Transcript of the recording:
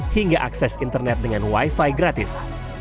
hingga akses internet dengan wi fi gratis